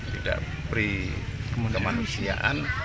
tidak beri kemanusiaan